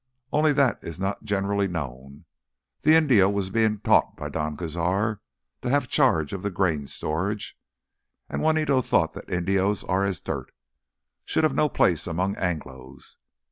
Only that is not generally known. The Indio was being taught by Don Cazar to have charge of the grain storage, and Juanito thought that Indios are as dirt—should have no place among Anglos.